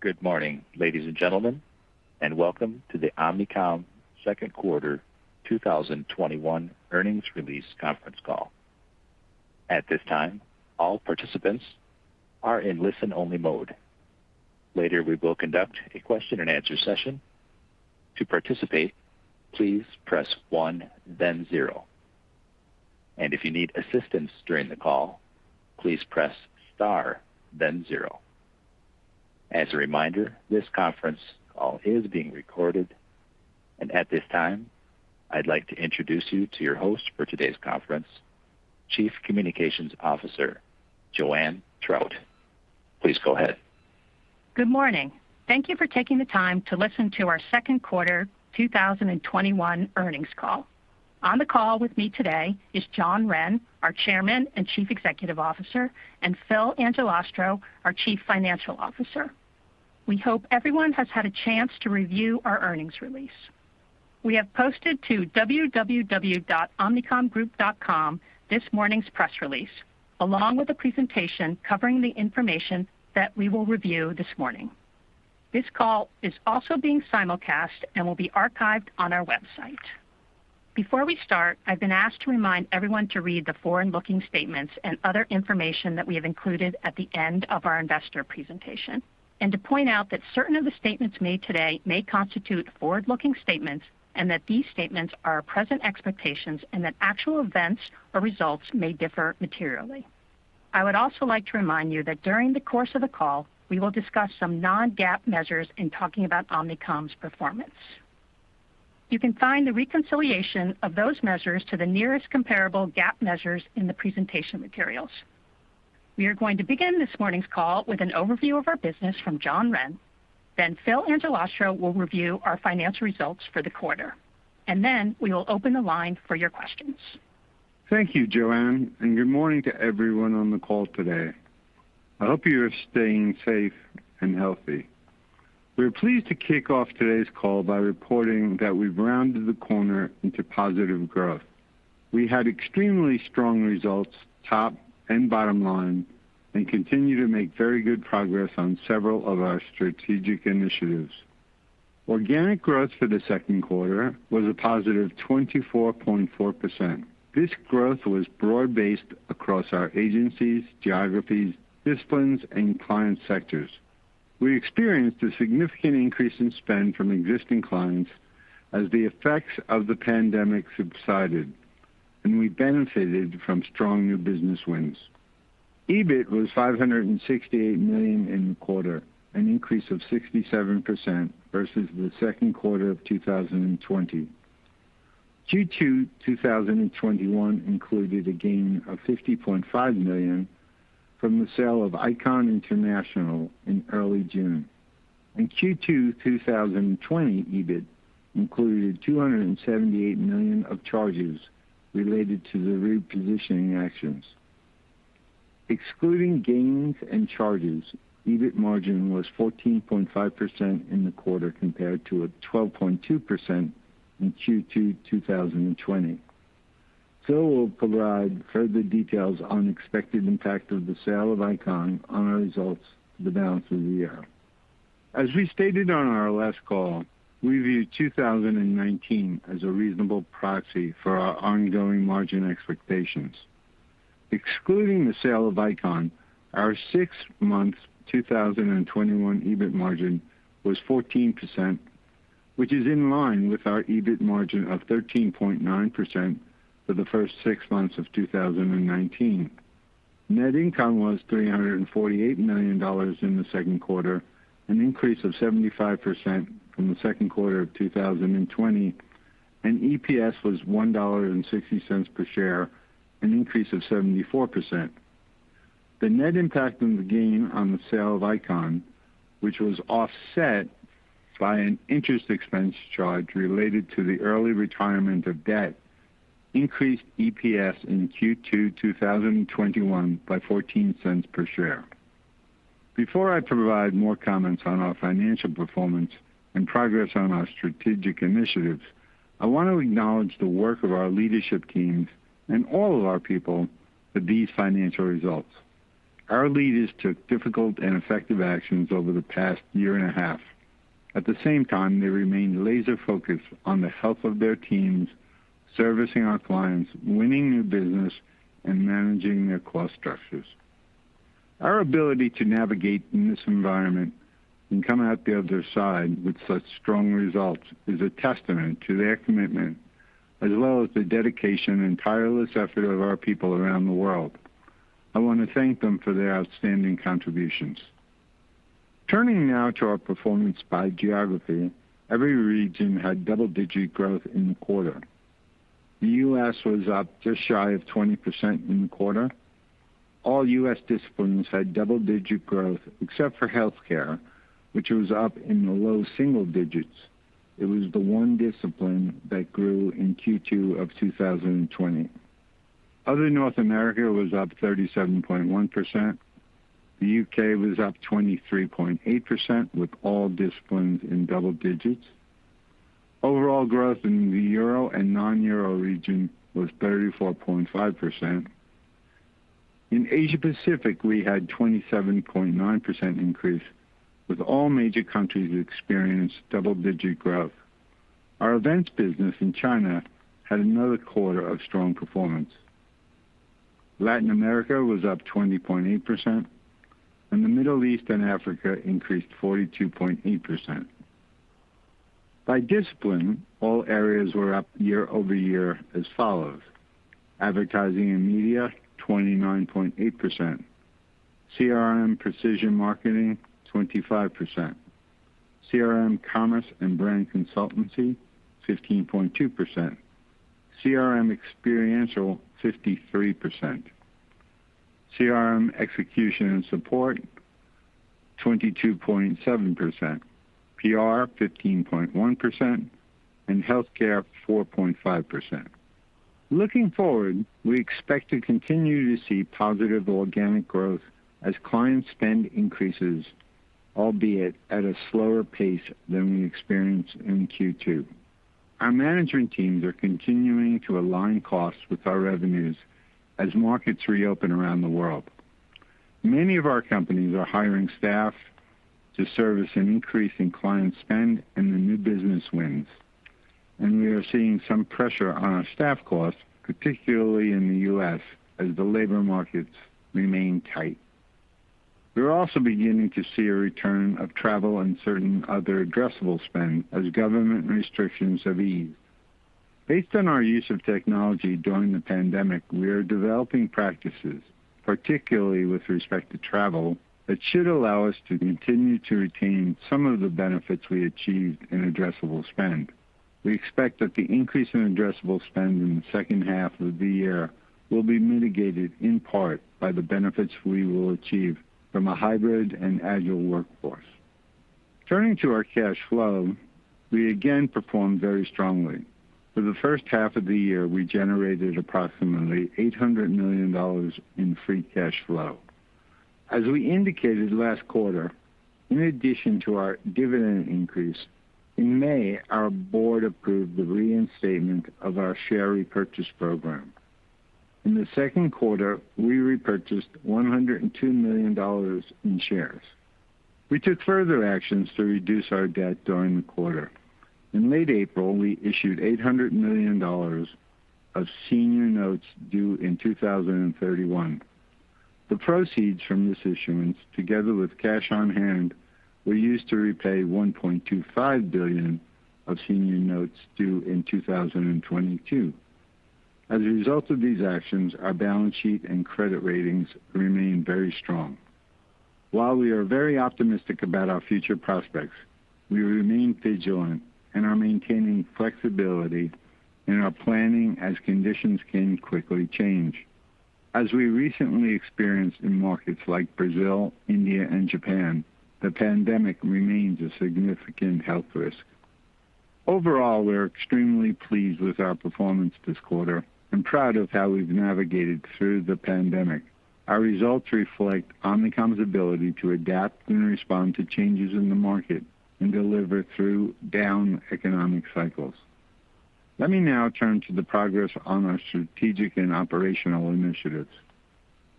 Good morning, ladies and gentlemen, welcome to the Omnicom second quarter 2021 earnings release conference call. At this time, all participants are in listen-only mode. Later, we will conduct a question and answer session. To participate, please press one then zero. If you need assistance during the call, please press star then zero. As a reminder, this conference call is being recorded. At this time, I'd like to introduce you to your host for today's conference, Chief Communications Officer, Joanne Trout. Please go ahead. Good morning. Thank you for taking the time to listen to our second quarter 2021 earnings call. On the call with me today is John Wren, our Chairman and Chief Executive Officer, and Phil Angelastro, our Chief Financial Officer. We hope everyone has had a chance to review our earnings release. We have posted to www.omnicomgroup.com this morning's press release, along with a presentation covering the information that we will review this morning. This call is also being simulcast and will be archived on our website. Before we start, I've been asked to remind everyone to read the forward-looking statements and other information that we have included at the end of our investor presentation, and to point out that certain of the statements made today may constitute forward-looking statements, and that these statements are our present expectations, and that actual events or results may differ materially. I would also like to remind you that during the course of the call, we will discuss some non-GAAP measures in talking about Omnicom's performance. You can find the reconciliation of those measures to the nearest comparable GAAP measures in the presentation materials. We are going to begin this morning's call with an overview of our business from John Wren. Phil Angelastro will review our financial results for the quarter. We will open the line for your questions. Thank you, Joanne, and good morning to everyone on the call today. I hope you are staying safe and healthy. We're pleased to kick off today's call by reporting that we've rounded the corner into positive growth. We had extremely strong results, top and bottom line, and continue to make very good progress on several of our strategic initiatives. Organic growth for the second quarter was a positive 24.4%. This growth was broad-based across our agencies, geographies, disciplines, and client sectors. We experienced a significant increase in spend from existing clients as the effects of the pandemic subsided, and we benefited from strong new business wins. EBIT was $568 million in the quarter, an increase of 67% versus the second quarter of 2020. Q2 2021 included a gain of $50.5 million from the sale of ICON International in early June. In Q2 2020, EBIT included $278 million of charges related to the repositioning actions. Excluding gains and charges, EBIT margin was 14.5% in the quarter compared to a 12.2% in Q2 2020. Phil will provide further details on expected impact of the sale of ICON on our results for the balance of the year. As we stated on our last call, we view 2019 as a reasonable proxy for our ongoing margin expectations. Excluding the sale of ICON, our six months 2021 EBIT margin was 14%, which is in line with our EBIT margin of 13.9% for the first six months of 2019. Net income was $348 million in the second quarter, an increase of 75% from the second quarter of 2020, and EPS was $1.60 per share, an increase of 74%. The net impact on the gain on the sale of ICON, which was offset by an interest expense charge related to the early retirement of debt, increased EPS in Q2 2021 by $0.14 per share. Before I provide more comments on our financial performance and progress on our strategic initiatives, I want to acknowledge the work of our leadership teams and all of our people for these financial results. Our leaders took difficult and effective actions over the past year and a half. At the same time, they remained laser-focused on the health of their teams, servicing our clients, winning new business, and managing their cost structures. Our ability to navigate in this environment and come out the other side with such strong results is a testament to their commitment, as well as the dedication and tireless effort of our people around the world. I want to thank them for their outstanding contributions. Turning now to our performance by geography, every region had double-digit growth in the quarter. The U.S. was up just shy of 20% in the quarter. All U.S. disciplines had double-digit growth except for healthcare, which was up in the low single digits. It was the one discipline that grew in Q2 of 2020. Other North America was up 37.1%. The U.K. was up 23.8% with all disciplines in double digits. Overall growth in the Euro and non-Euro region was 34.5%. In Asia Pacific, we had 27.9% increase, with all major countries experiencing double-digit growth. Our events business in China had another quarter of strong performance. Latin America was up 20.8%, and the Middle East and Africa increased 42.8%. By discipline, all areas were up year-over-year as follows: advertising and media, 29.8%; CRM precision marketing, 25%; CRM commerce and brand consultancy, 15.2%; CRM experiential, 53%; CRM execution and support, 22.7%; PR, 15.1%; and healthcare, 4.5%. Looking forward, we expect to continue to see positive organic growth as client spend increases, albeit at a slower pace than we experienced in Q2. Our management teams are continuing to align costs with our revenues as markets reopen around the world. Many of our companies are hiring staff to service an increase in client spend and the new business wins. We are seeing some pressure on our staff costs, particularly in the U.S., as the labor markets remain tight. We are also beginning to see a return of travel and certain other addressable spend as government restrictions have eased. Based on our use of technology during the pandemic, we are developing practices, particularly with respect to travel, that should allow us to continue to retain some of the benefits we achieved in addressable spend. We expect that the increase in addressable spend in the second half of the year will be mitigated in part by the benefits we will achieve from a hybrid and agile workforce. Turning to our cash flow, we again performed very strongly. For the first half of the year, we generated approximately $800 million in free cash flow. As we indicated last quarter, in addition to our dividend increase, in May, our board approved the reinstatement of our share repurchase program. In the second quarter, we repurchased $102 million in shares. We took further actions to reduce our debt during the quarter. In late April, we issued $800 million of senior notes due in 2031. The proceeds from this issuance, together with cash on hand, were used to repay $1.25 billion of senior notes due in 2022. As a result of these actions, our balance sheet and credit ratings remain very strong. While we are very optimistic about our future prospects, we remain vigilant and are maintaining flexibility in our planning as conditions can quickly change. As we recently experienced in markets like Brazil, India, and Japan, the pandemic remains a significant health risk. Overall, we are extremely pleased with our performance this quarter and proud of how we've navigated through the pandemic. Our results reflect Omnicom's ability to adapt and respond to changes in the market and deliver through down economic cycles. Let me now turn to the progress on our strategic and operational initiatives.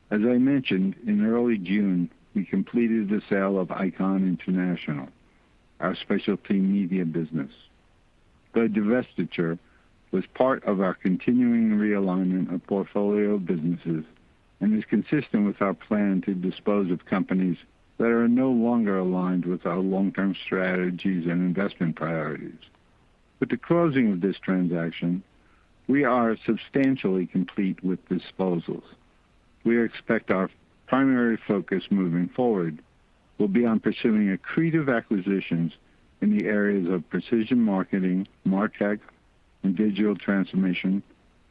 As I mentioned, in early June, we completed the sale of ICON International, our specialty media business. The divestiture was part of our continuing realignment of portfolio businesses and is consistent with our plan to dispose of companies that are no longer aligned with our long-term strategies and investment priorities. With the closing of this transaction, we are substantially complete with disposals. We expect our primary focus moving forward will be on pursuing accretive acquisitions in the areas of precision marketing, martech and digital transformation,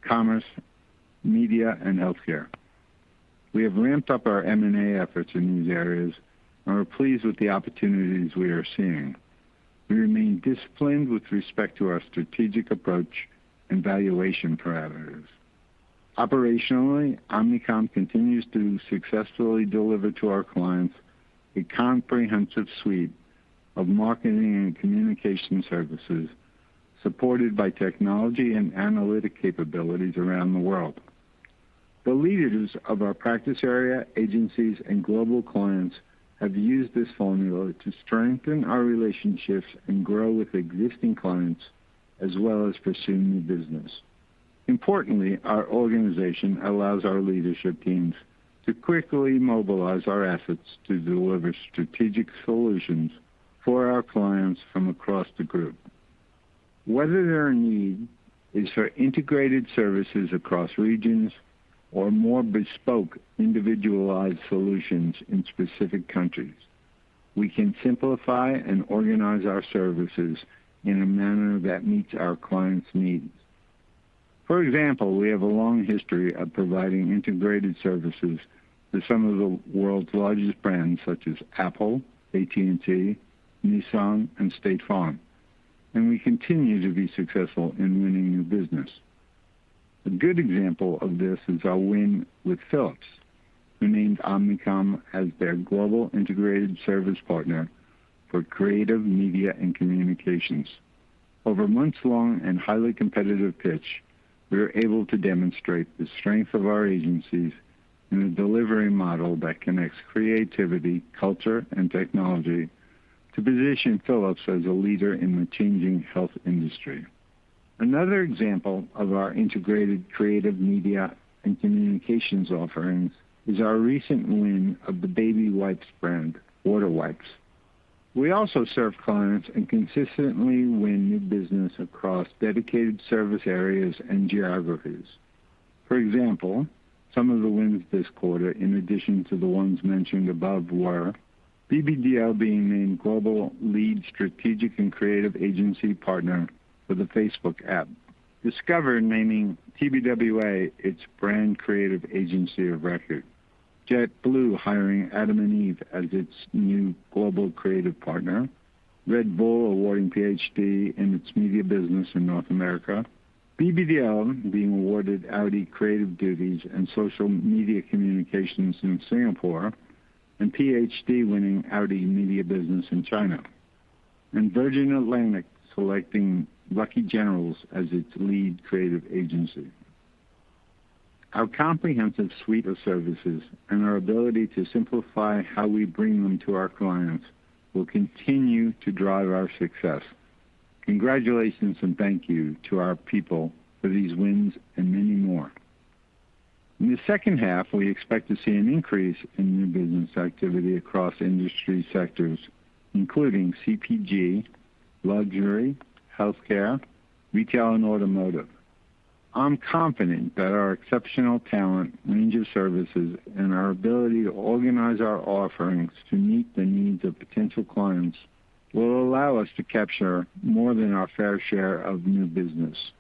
commerce, media, and healthcare. We have ramped up our M&A efforts in these areas and are pleased with the opportunities we are seeing. We remain disciplined with respect to our strategic approach and valuation parameters. Operationally, Omnicom continues to successfully deliver to our clients a comprehensive suite of marketing and communication services supported by technology and analytic capabilities around the world. The leaders of our practice area agencies and global clients have used this formula to strengthen our relationships and grow with existing clients, as well as pursue new business. Our organization allows our leadership teams to quickly mobilize our efforts to deliver strategic solutions for our clients from across the group. Whether their need is for integrated services across regions or more bespoke individualized solutions in specific countries, we can simplify and organize our services in a manner that meets our clients' needs. For example, we have a long history of providing integrated services to some of the world's largest brands, such as Apple, AT&T, Nissan, and State Farm, and we continue to be successful in winning new business. A good example of this is our win with Philips, who named Omnicom as their global integrated service partner for creative media and communications. Over months long and highly competitive pitch, we were able to demonstrate the strength of our agencies and a delivery model that connects creativity, culture, and technology to position Philips as a leader in the changing health industry. Another example of our integrated creative media and communications offerings is our recent win of the baby wipes brand, WaterWipes. We also serve clients and consistently win new business across dedicated service areas and geographies. For example, some of the wins this quarter, in addition to the ones mentioned above, were BBDO being named Global Lead Strategic and Creative Agency Partner for the Facebook app, and Discover naming TBWA its brand creative agency of record. JetBlue hiring adam&eve as its new global creative partner, Red Bull awarding PHD in its media business in North America, BBDO being awarded Audi creative duties and social media communications in Singapore, and PHD winning Audi media business in China, and Virgin Atlantic selecting Lucky Generals as its lead creative agency. Our comprehensive suite of services and our ability to simplify how we bring them to our clients will continue to drive our success. Congratulations and thank you to our people for these wins and many more. In the second half, we expect to see an increase in new business activity across industry sectors, including CPG, luxury, healthcare, retail, and automotive. I'm confident that our exceptional talent, range of services, and our ability to organize our offerings to meet the needs of potential clients will allow us to capture more than our fair share of new business.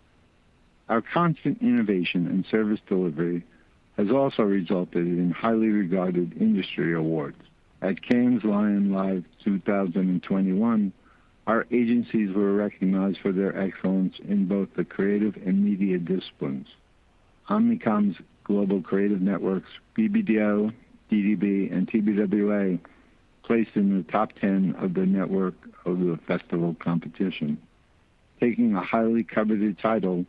Our constant innovation and service delivery has also resulted in highly regarded industry awards. At Cannes Lions Live 2021, our agencies were recognized for their excellence in both the creative and media disciplines. Omnicom's global creative networks, BBDO, DDB, and TBWA, placed in the top 10 of the Network of the Festival competition. Taking a highly coveted title,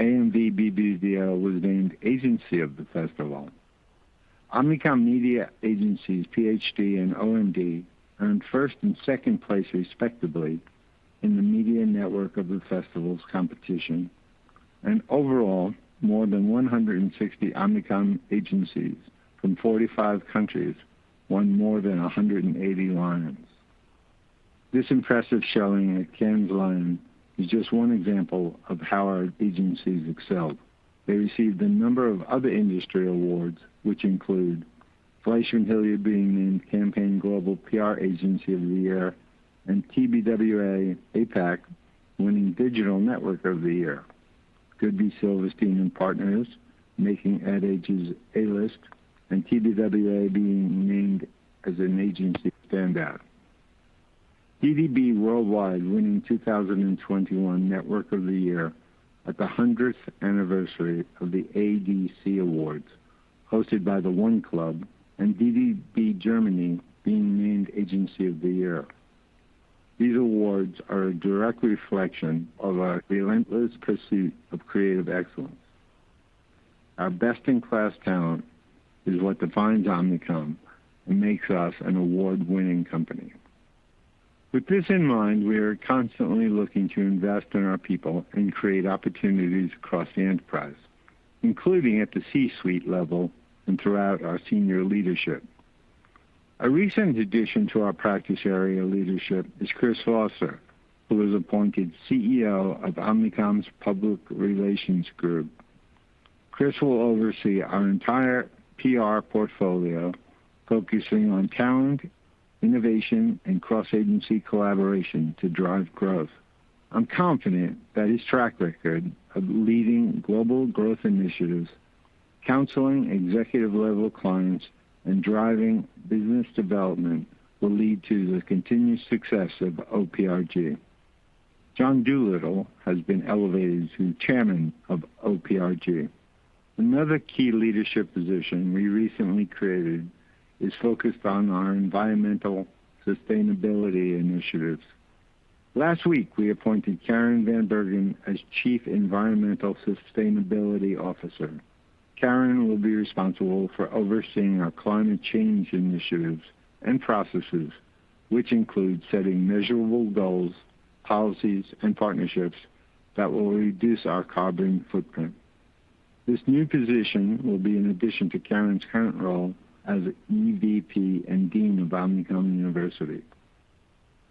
AMV BBDO was named Agency of the Festival. Omnicom media agencies PHD and OMD earned first and second place respectively in the Media Network of the Festivals competition, and overall, more than 160 Omnicom agencies from 45 countries won more than 180 Lions. This impressive showing at Cannes Lions is just one example of how our agencies excelled. They received a number of other industry awards which include FleishmanHillard being named Campaign Global PR Agency of the Year and TBWA APAC winning Digital Network of the Year. Goodby Silverstein & Partners making Ad Age's A-List and TBWA being named as an agency standout. DDB Worldwide winning 2021 Network of the Year at the 100th anniversary of the ADC Awards hosted by The One Club, and DDB Germany being named Agency of the Year. These awards are a direct reflection of our relentless pursuit of creative excellence. Our best-in-class talent is what defines Omnicom and makes us an award-winning company. With this in mind, we are constantly looking to invest in our people and create opportunities across the enterprise, including at the C-suite level and throughout our senior leadership. A recent addition to our practice area leadership is Chris Foster, who was appointed CEO of Omnicom's Public Relations Group. Chris will oversee our entire PR portfolio, focusing on talent, innovation, and cross-agency collaboration to drive growth. I'm confident that his track record of leading global growth initiatives, counseling executive-level clients, and driving business development will lead to the continued success of OPRG. John Doolittle has been elevated to Chairman of OPRG. Another key leadership position we recently created is focused on our environmental sustainability initiatives. Last week, we appointed Karen Van Bergen as Chief Environmental Sustainability Officer. Karen will be responsible for overseeing our climate change initiatives and processes which include setting measurable goals, policies, and partnerships that will reduce our carbon footprint. This new position will be in addition to Karen's current role as EVP and Dean of Omnicom University.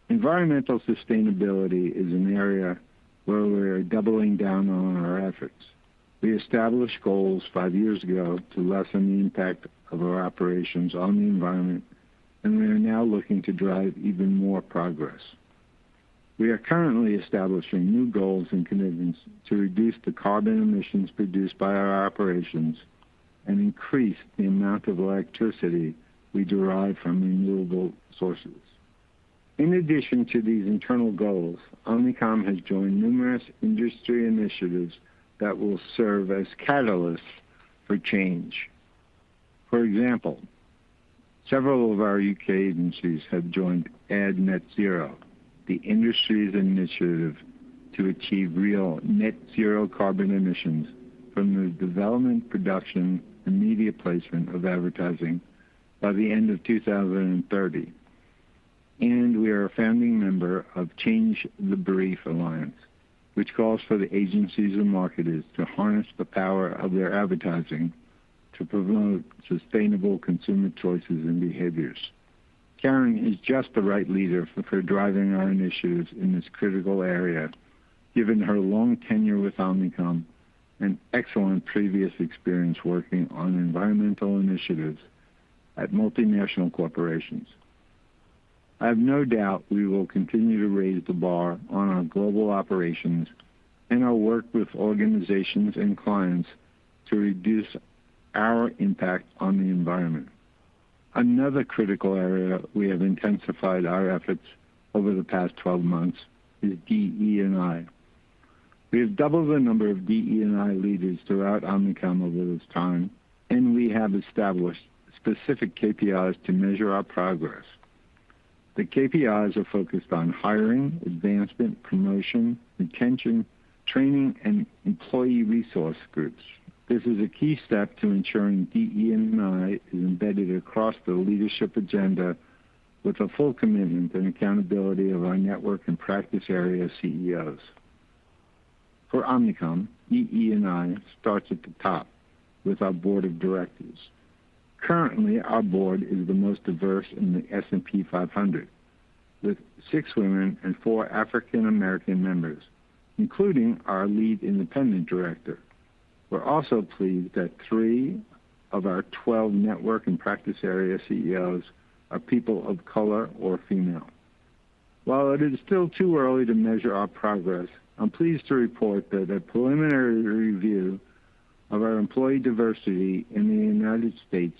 Environmental sustainability is an area where we're doubling down on our efforts. We established goals five years ago to lessen the impact of our operations on the environment, and we are now looking to drive even more progress. We are currently establishing new goals and commitments to reduce the carbon emissions produced by our operations and increase the amount of electricity we derive from renewable sources. In addition to these internal goals, Omnicom has joined numerous industry initiatives that will serve as catalysts for change. For example, several of our U.K. agencies have joined Ad Net Zero, the industry's initiative to achieve real Net Zero carbon emissions from the development, production, and media placement of advertising by the end of 2030. We are a founding member of #ChangeTheBrief Alliance, which calls for the agencies and marketers to harness the power of their advertising to promote sustainable consumer choices and behaviors. Karen is just the right leader for driving our initiatives in this critical area, given her long tenure with Omnicom and excellent previous experience working on environmental initiatives at multinational corporations. I have no doubt we will continue to raise the bar on our global operations and our work with organizations and clients to reduce our impact on the environment. Another critical area we have intensified our efforts over the past 12 months is DE&I. We have doubled the number of DE&I leaders throughout Omnicom over this time. We have established specific KPIs to measure our progress. The KPIs are focused on hiring, advancement, promotion, retention, training, and employee resource groups. This is a key step to ensuring DE&I is embedded across the leadership agenda with the full commitment and accountability of our network and practice area CEOs. For Omnicom, DE&I starts at the top with our board of directors. Currently, our board is the most diverse in the S&P 500, with six women and four African American members, including our lead independent director. We're also pleased that 12 network and practice area CEOs are people of color or female. While it is still too early to measure our progress, I'm pleased to report that a preliminary review of our employee diversity in the U.S.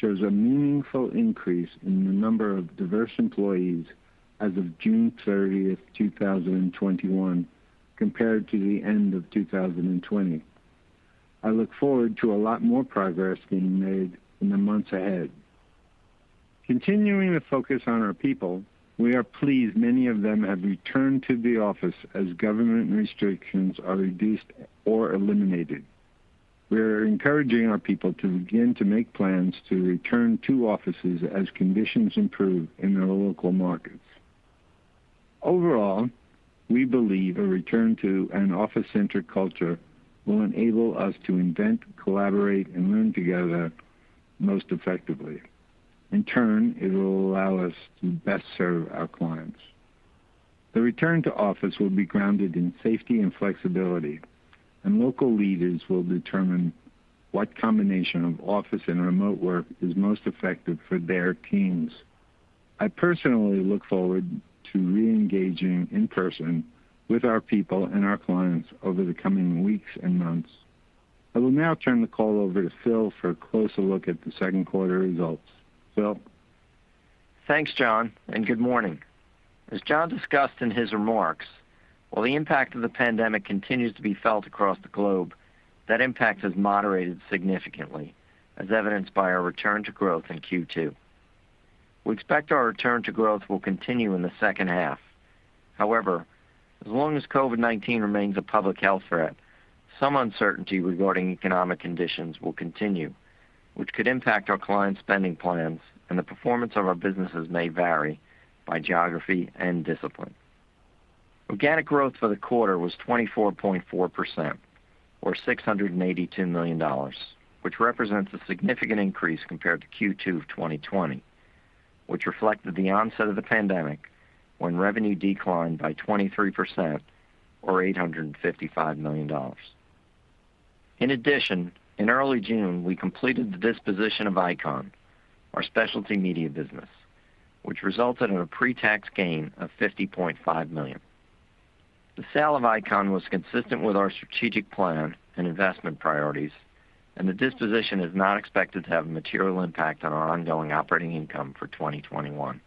shows a meaningful increase in the number of diverse employees as of June 30th, 2021, compared to the end of 2020. I look forward to a lot more progress being made in the months ahead. Continuing to focus on our people, we are pleased many of them have returned to the office as government restrictions are reduced or eliminated. We are encouraging our people to begin to make plans to return to offices as conditions improve in their local markets. Overall, we believe a return to an office-centric culture will enable us to invent, collaborate, and learn together most effectively. In turn, it will allow us to best serve our clients. The return to office will be grounded in safety and flexibility, and local leaders will determine what combination of office and remote work is most effective for their teams. I personally look forward to re-engaging in person with our people and our clients over the coming weeks and months. I will now turn the call over to Phil for a closer look at the second quarter results. Phil? Thanks, John. Good morning. As John discussed in his remarks, while the impact of the pandemic continues to be felt across the globe, that impact has moderated significantly as evidenced by our return to growth in Q2. We expect our return to growth will continue in the second half. However, as long as COVID-19 remains a public health threat, some uncertainty regarding economic conditions will continue, which could impact our clients' spending plans, and the performance of our businesses may vary by geography and discipline. Organic growth for the quarter was 24.4%, or $682 million, which represents a significant increase compared to Q2 of 2020, which reflected the onset of the pandemic when revenue declined by 23%, or $855 million. In addition, in early June, we completed the disposition of ICON, our specialty media business, which resulted in a pre-tax gain of $50.5 million. The sale of ICON was consistent with our strategic plan and investment priorities, and the disposition is not expected to have a material impact on our ongoing operating income for 2021.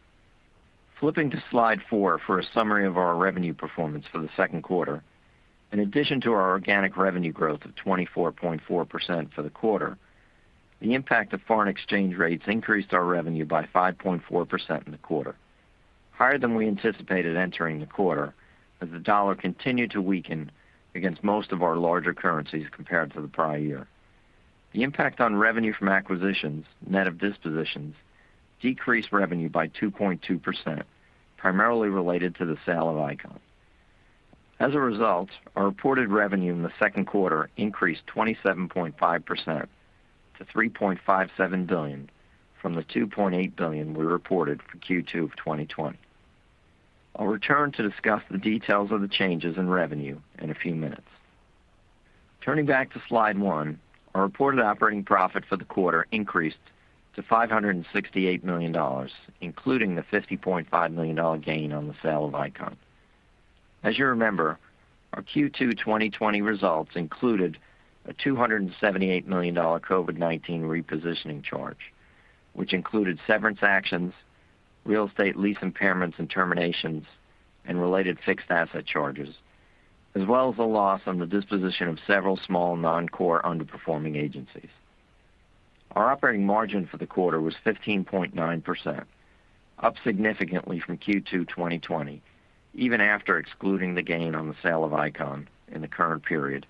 Flipping to slide 4 for a summary of our revenue performance for the second quarter. In addition to our organic revenue growth of 24.4% for the quarter, the impact of foreign exchange rates increased our revenue by 5.4% in the quarter, higher than we anticipated entering the quarter as the U.S. dollar continued to weaken against most of our larger currencies compared to the prior year. The impact on revenue from acquisitions, net of dispositions, decreased revenue by 2.2%, primarily related to the sale of ICON. Our reported revenue in the second quarter increased 27.5% to $3.57 billion from the $2.8 billion we reported for Q2 of 2020. I'll return to discuss the details of the changes in revenue in a few minutes. Turning back to slide 1, our reported operating profit for the quarter increased to $568 million, including the $50.5 million gain on the sale of ICON. As you remember, our Q2 2020 results included a $278 million COVID-19 repositioning charge, which included severance actions, real estate lease impairments and terminations, and related fixed asset charges, as well as a loss on the disposition of several small non-core underperforming agencies. Our operating margin for the quarter was 15.9%, up significantly from Q2 2020, even after excluding the gain on the sale of ICON in the current period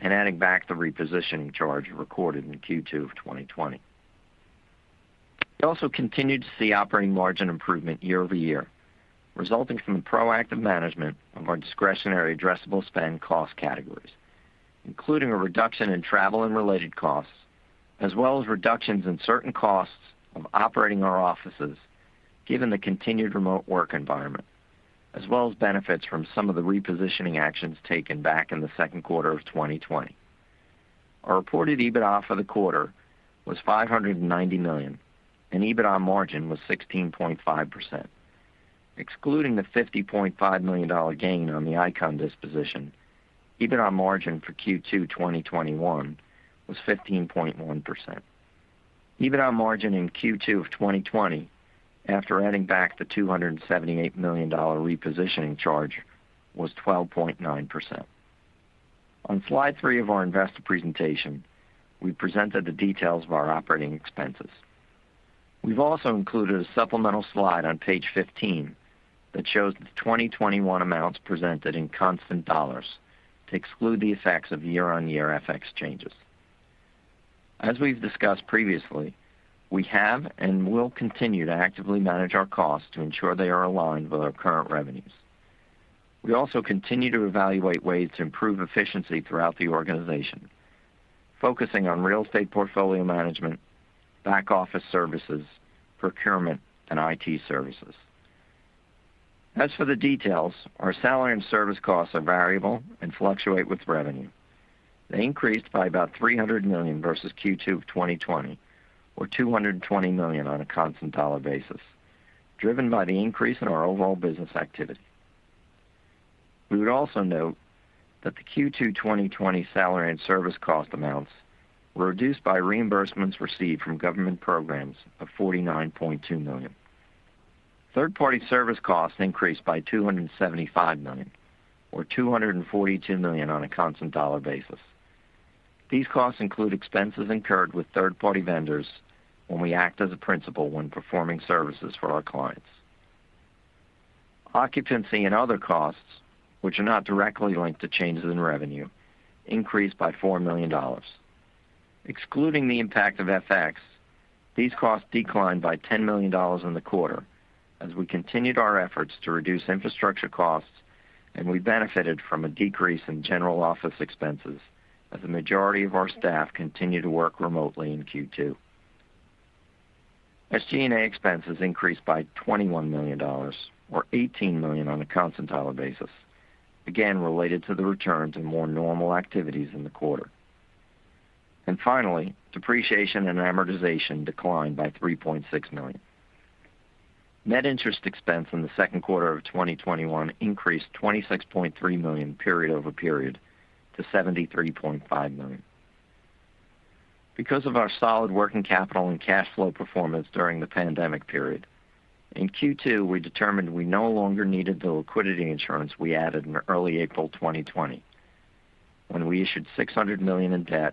and adding back the repositioning charge recorded in Q2 of 2020. We also continued to see operating margin improvement year-over-year, resulting from the proactive management of our discretionary addressable spend cost categories, including a reduction in travel and related costs, as well as reductions in certain costs of operating our offices, given the continued remote work environment, as well as benefits from some of the repositioning actions taken back in the second quarter of 2020. Our reported EBITDA for the quarter was $590 million, and EBITDA margin was 16.5%. Excluding the $50.5 million gain on the ICON disposition, EBITDA margin for Q2 2021 was 15.1%. EBITDA margin in Q2 of 2020, after adding back the $278 million repositioning charge, was 12.9%. On slide 3 of our investor presentation, we presented the details of our operating expenses. We've also included a supplemental slide on page 15 that shows the 2021 amounts presented in constant dollars to exclude the effects of year on year FX changes. As we've discussed previously, we have and will continue to actively manage our costs to ensure they are aligned with our current revenues. We also continue to evaluate ways to improve efficiency throughout the organization, focusing on real estate portfolio management, back office services, procurement, and IT services. As for the details, our salary and service costs are variable and fluctuate with revenue. They increased by about $300 million versus Q2 of 2020 or $220 million on a constant dollar basis, driven by the increase in our overall business activity. We would also note that the Q2 2020 salary and service cost amounts were reduced by reimbursements received from government programs of $49.2 million. Third party service costs increased by $275 million or $242 million on a constant dollar basis. These costs include expenses incurred with third party vendors when we act as a principal when performing services for our clients. Occupancy and other costs, which are not directly linked to changes in revenue, increased by $4 million. Excluding the impact of FX, these costs declined by $10 million in the quarter as we continued our efforts to reduce infrastructure costs, and we benefited from a decrease in general office expenses as the majority of our staff continued to work remotely in Q2. SG&A expenses increased by $21 million or $18 million on a constant dollar basis, again related to the return to more normal activities in the quarter. Finally, depreciation and amortization declined by $3.6 million. Net interest expense in the second quarter of 2021 increased $26.3 million period over period to $73.5 million. Because of our solid working capital and cash flow performance during the pandemic period, in Q2, we determined we no longer needed the liquidity insurance we added in early April 2020, when we issued $600 million in debt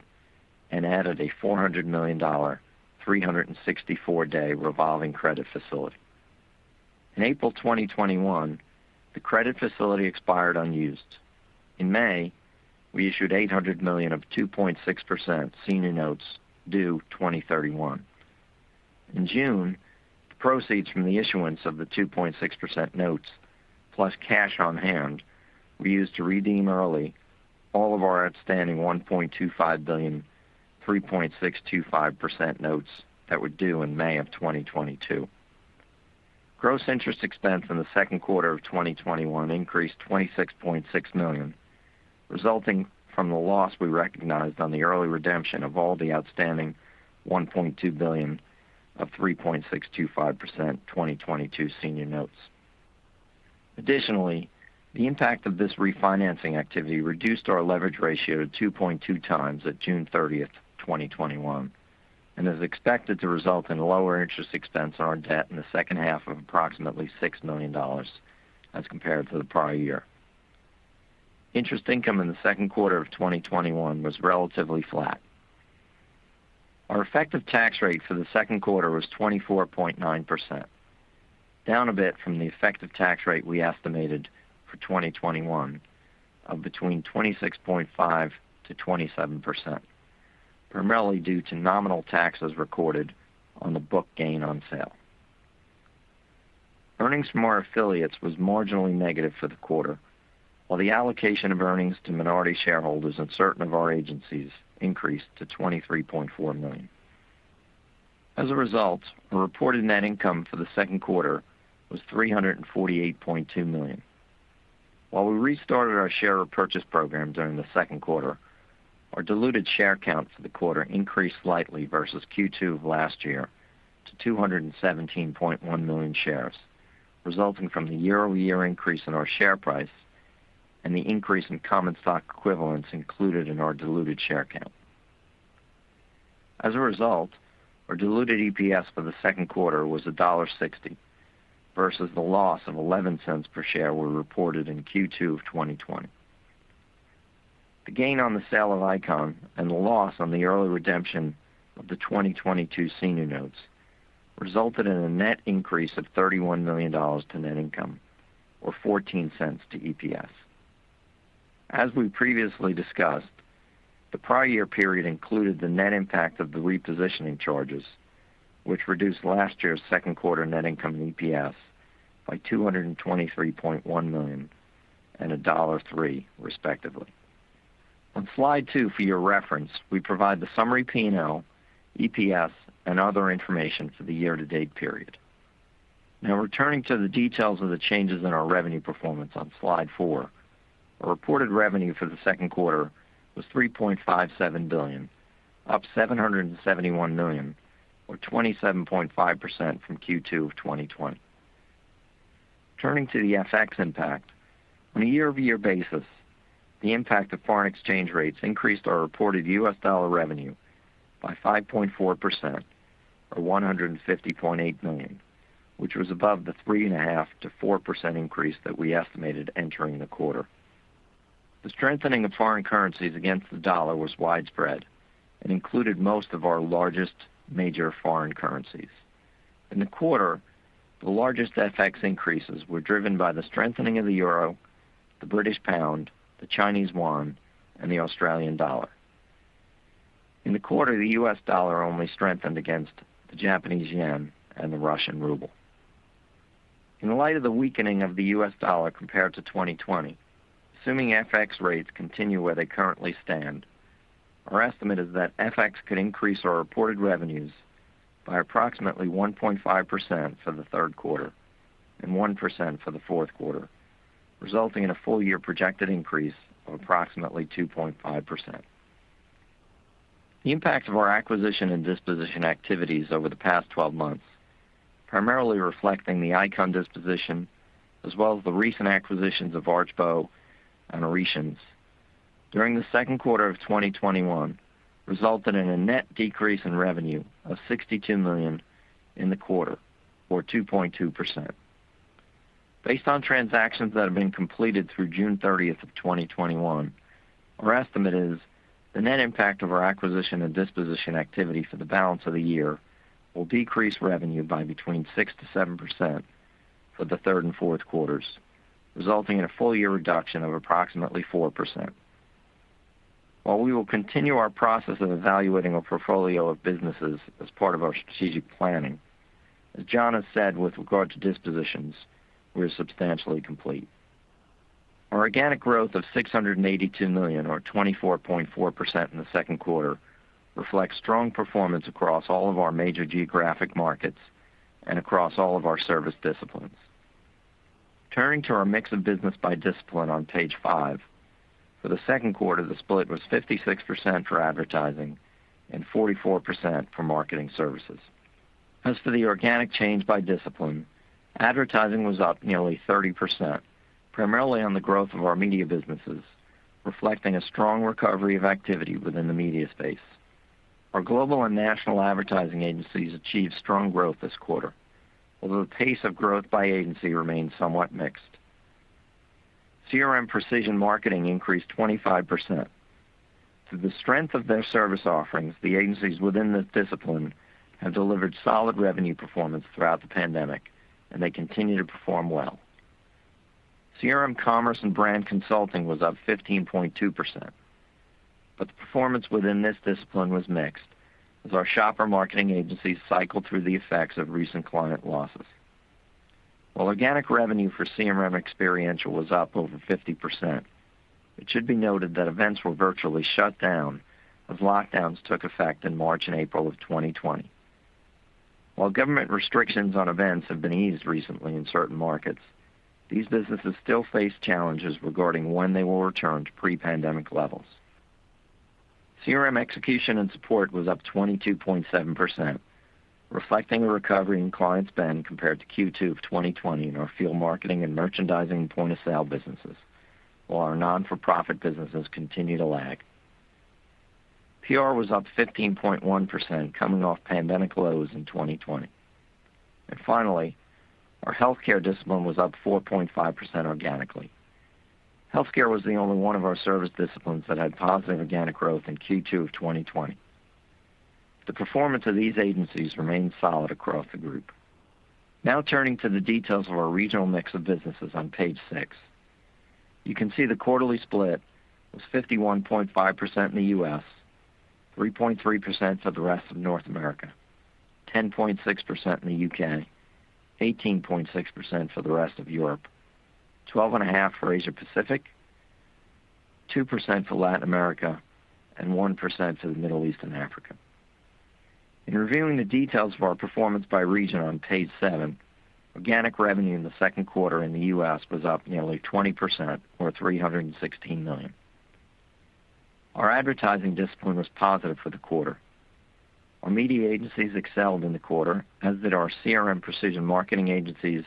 and added a $400 million 364-day revolving credit facility. In April 2021, the credit facility expired unused. In May, we issued $800 million of 2.6% senior notes due 2031. In June, the proceeds from the issuance of the 2.6% notes plus cash on hand we used to redeem early all of our outstanding $1.25 billion 3.625% notes that were due in May of 2022. Gross interest expense in the second quarter of 2021 increased $26.6 million, resulting from the loss we recognized on the early redemption of all the outstanding $1.2 billion of 3.625% 2022 senior notes. The impact of this refinancing activity reduced our leverage ratio to 2.2x at June 30th, 2021, and is expected to result in lower interest expense on our debt in the second half of approximately $6 million as compared to the prior year. Interest income in the second quarter of 2021 was relatively flat. Our effective tax rate for the second quarter was 24.9%, down a bit from the effective tax rate we estimated for 2021 of between 26.5%-27%, primarily due to nominal taxes recorded on the book gain on sale. Earnings from our affiliates was marginally negative for the quarter, while the allocation of earnings to minority shareholders in certain of our agencies increased to $23.4 million. As a result, our reported net income for the second quarter was $348.2 million. While we restarted our share repurchase program during the second quarter, our diluted share count for the quarter increased slightly versus Q2 of last year to 217.1 million shares, resulting from the year-over-year increase in our share price and the increase in common stock equivalents included in our diluted share count. As a result, our diluted EPS for the second quarter was $1.60, versus the loss of $0.11 per share we reported in Q2 of 2020. The gain on the sale of ICON and the loss on the early redemption of the 2022 senior notes resulted in a net increase of $31 million to net income, or $0.14 to EPS. As we previously discussed, the prior year period included the net impact of the repositioning charges, which reduced last year's second quarter net income and EPS by $223.1 million and $1.03, respectively. On Slide 2 for your reference, we provide the summary P&L, EPS, and other information for the year-to-date period. Returning to the details of the changes in our revenue performance on Slide 4. Our reported revenue for the second quarter was $3.57 billion, up $771 million or 27.5% from Q2 of 2020. Turning to the FX impact. On a year-over-year basis, the impact of foreign exchange rates increased our reported U.S. dollar revenue by 5.4%, or $150.8 million, which was above the 3.5%-4% increase that we estimated entering the quarter. The strengthening of foreign currencies against the dollar was widespread and included most of our largest major foreign currencies. In the quarter, the largest FX increases were driven by the strengthening of the euro, the British pound, the Chinese yuan, and the Australian dollar. In the quarter, the U.S. dollar only strengthened against the Japanese yen and the Russian ruble. In light of the weakening of the U.S. dollar compared to 2020, assuming FX rates continue where they currently stand, our estimate is that FX could increase our reported revenues by approximately 1.5% for the third quarter and 1% for the fourth quarter, resulting in a full year projected increase of approximately 2.5%. The impact of our acquisition and disposition activities over the past 12 months, primarily reflecting the ICON disposition as well as the recent acquisitions of Archbow and Areteans during the second quarter of 2021, resulted in a net decrease in revenue of $62 million in the quarter or 2.2%. Based on transactions that have been completed through June 30th of 2021, our estimate is the net impact of our acquisition and disposition activity for the balance of the year will decrease revenue by between 6%-7% for the third and fourth quarters, resulting in a full year reduction of approximately 4%. While we will continue our process of evaluating our portfolio of businesses as part of our strategic planning, as John has said with regard to dispositions, we are substantially complete. Our organic growth of $682 million or 24.4% in the second quarter reflects strong performance across all of our major geographic markets and across all of our service disciplines. Turning to our mix of business by discipline on page 5. For the second quarter, the split was 56% for advertising and 44% for marketing services. As for the organic change by discipline, advertising was up nearly 30%, primarily on the growth of our media businesses, reflecting a strong recovery of activity within the media space. Our global and national advertising agencies achieved strong growth this quarter, although the pace of growth by agency remains somewhat mixed. CRM precision marketing increased 25%. Through the strength of their service offerings, the agencies within this discipline have delivered solid revenue performance throughout the pandemic, they continue to perform well. CRM commerce and brand consulting was up 15.2%, but the performance within this discipline was mixed as our shopper marketing agencies cycled through the effects of recent client losses. While organic revenue for CRM experiential was up over 50%, it should be noted that events were virtually shut down as lockdowns took effect in March and April of 2020. While government restrictions on events have been eased recently in certain markets, these businesses still face challenges regarding when they will return to pre-pandemic levels. CRM execution and support was up 22.7%, reflecting a recovery in client spend compared to Q2 of 2020 in our field marketing and merchandising point-of-sale businesses, while our not-for-profit businesses continue to lag. PR was up 15.1%, coming off pandemic lows in 2020. Finally, our healthcare discipline was up 4.5% organically. Healthcare was the only one of our service disciplines that had positive organic growth in Q2 of 2020. The performance of these agencies remains solid across the group. Turning to the details of our regional mix of businesses on page 6. You can see the quarterly split was 51.5% in the U.S., 3.3% for the rest of North America, 10.6% in the U.K., 18.6% for the rest of Europe, 12.5% for Asia Pacific, 2% for Latin America, and 1% for the Middle East and Africa. In reviewing the details of our performance by region on page 7, organic revenue in the second quarter in the U.S. was up nearly 20%, or $316 million. Our advertising discipline was positive for the quarter. Our media agencies excelled in the quarter, as did our CRM precision marketing agencies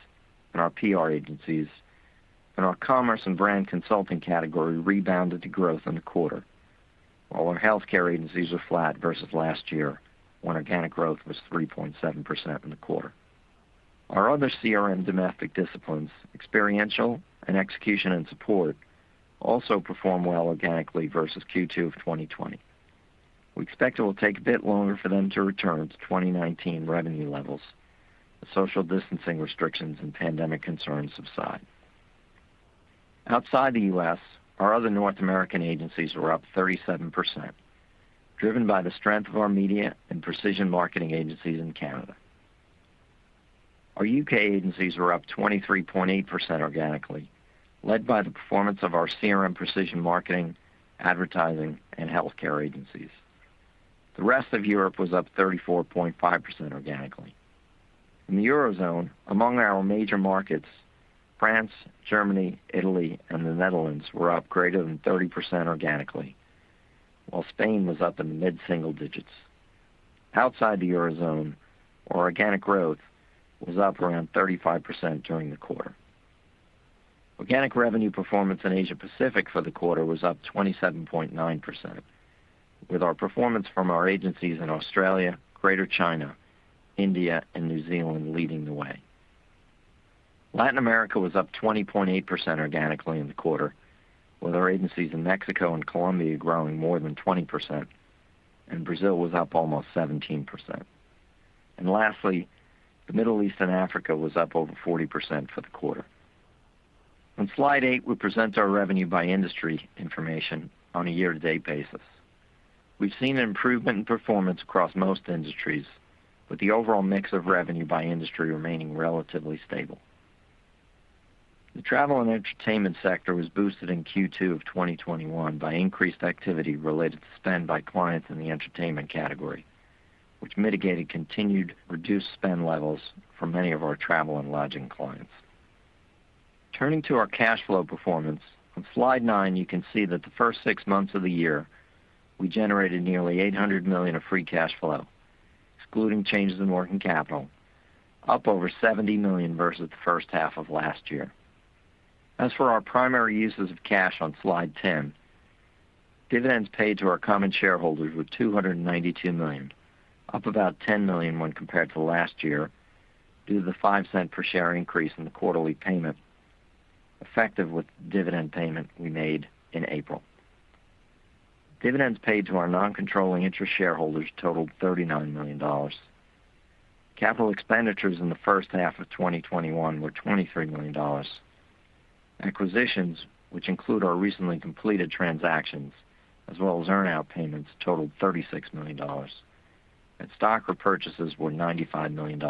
and our PR agencies, and our commerce and brand consulting category rebounded to growth in the quarter. While our healthcare agencies were flat versus last year, when organic growth was 3.7% in the quarter. Our other CRM domestic disciplines, experiential and execution and support, also performed well organically versus Q2 of 2020. We expect it will take a bit longer for them to return to 2019 revenue levels as social distancing restrictions and pandemic concerns subside. Outside the U.S., our other North American agencies were up 37%, driven by the strength of our media and precision marketing agencies in Canada. Our U.K. agencies were up 23.8% organically, led by the performance of our CRM, precision marketing, advertising, and healthcare agencies. The rest of Europe was up 34.5% organically.. In the Eurozone, among our major markets, France, Germany, Italy, and the Netherlands were up greater than 30% organically, while Spain was up in the mid-single digits. Outside the Eurozone, our organic growth was up around 35% during the quarter. Organic revenue performance in Asia Pacific for the quarter was up 27.9%, with our performance from our agencies in Australia, Greater China, India, and New Zealand leading the way. Latin America was up 20.8% organically in the quarter, with our agencies in Mexico and Colombia growing more than 20%, and Brazil was up almost 17%. Lastly, the Middle East and Africa was up over 40% for the quarter. On slide 8, we present our revenue by industry information on a year-to-date basis. We've seen an improvement in performance across most industries, with the overall mix of revenue by industry remaining relatively stable. The travel and entertainment sector was boosted in Q2 of 2021 by increased activity related to spend by clients in the entertainment category, which mitigated continued reduced spend levels for many of our travel and lodging clients. Turning to our cash flow performance, on slide 9 you can see that the first six months of the year, we generated nearly $800 million of free cash flow, excluding changes in working capital, up over $70 million versus the first half of last year. As for our primary uses of cash on slide 10, dividends paid to our common shareholders were $292 million, up about $10 million when compared to last year due to the $0.05 per share increase in the quarterly payment, effective with the dividend payment we made in April. Dividends paid to our non-controlling interest shareholders totaled $39 million. Capital expenditures in the first half of 2021 were $23 million. Acquisitions, which include our recently completed transactions as well as earn-out payments, totaled $36 million. Stock repurchases were $95 million,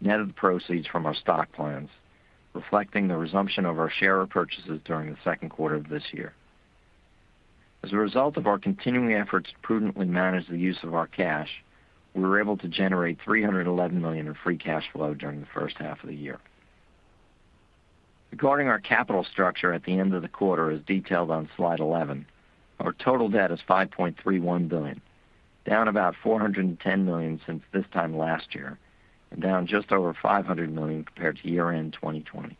net of the proceeds from our stock plans, reflecting the resumption of our share repurchases during the second quarter of this year. As a result of our continuing efforts to prudently manage the use of our cash, we were able to generate $311 million in free cash flow during the first half of the year. Regarding our capital structure at the end of the quarter, as detailed on slide 11, our total debt is $5.31 billion, down about $410 million since this time last year, and down just over $500 million compared to year-end 2020.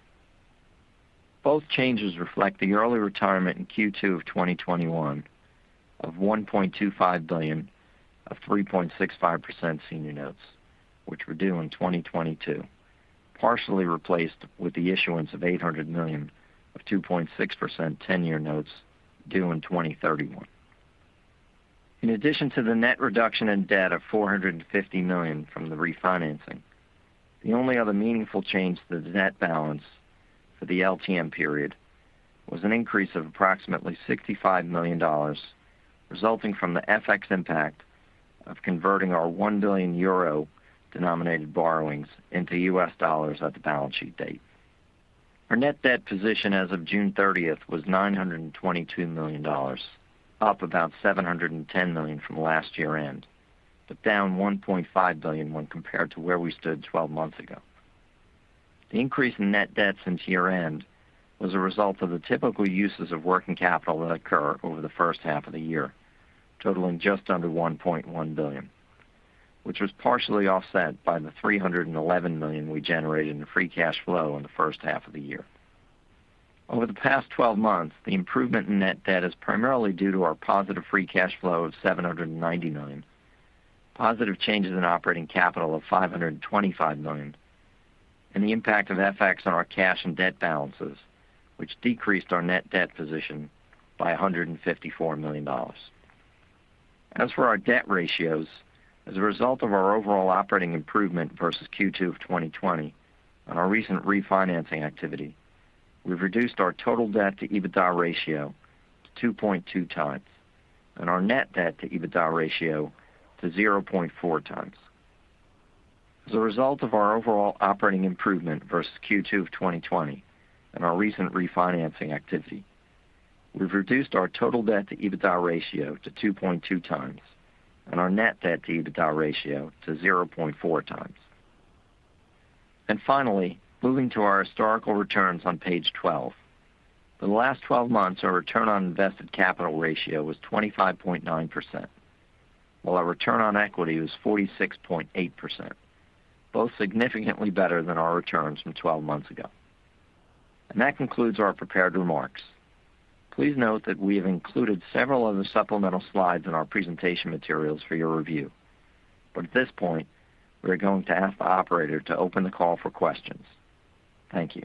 Both changes reflect the early retirement in Q2 of 2021 of $1.25 billion of 3.65% senior notes, which were due in 2022, partially replaced with the issuance of $800 million of 2.6% 10-year notes due in 2031. In addition to the net reduction in debt of $450 million from the refinancing, the only other meaningful change to the net balance for the LTM period was an increase of approximately $65 million, resulting from the FX impact of converting our 1 billion euro-denominated borrowings into U.S. dollars at the balance sheet date. Our net debt position as of June 30th was $922 million, up about $710 million from last year-end, but down $1.5 billion when compared to where we stood 12 months ago. The increase in net debt since year-end was a result of the typical uses of working capital that occur over the first half of the year, totaling just under $1.1 billion, which was partially offset by the $311 million we generated in free cash flow in the first half of the year. Over the past 12 months, the improvement in net debt is primarily due to our positive free cash flow of $799 million, positive changes in operating capital of $525 million, and the impact of FX on our cash and debt balances, which decreased our net debt position by $154 million. As for our debt ratios, as a result of our overall operating improvement versus Q2 of 2020 and our recent refinancing activity, we've reduced our total debt to EBITDA ratio to 2.2x and our net debt to EBITDA ratio to 0.4x. As a result of our overall operating improvement versus Q2 of 2020 and our recent refinancing activity, we've reduced our total debt to EBITDA ratio to 2.2x and our net debt to EBITDA ratio to 0.4x. Finally, moving to our historical returns on page 12. For the last 12 months, our return on invested capital ratio was 25.9%, while our return on equity was 46.8%, both significantly better than our returns from 12 months ago. That concludes our prepared remarks. Please note that we have included several other supplemental slides in our presentation materials for your review. At this point, we are going to ask the operator to open the call for questions. Thank you.